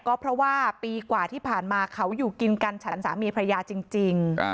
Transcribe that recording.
ก็เพราะว่าปีกว่าที่ผ่านมาเขาอยู่กินกันฉันสามีพระยาจริง